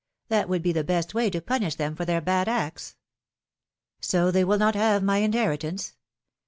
That would be the best way to punish them for their bad acts/^ So they will not have my inheritance